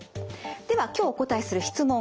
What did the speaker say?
では今日お答えする質問